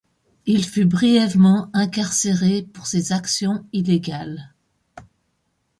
Il fut brièvement incarcéré pour ses actions illégales.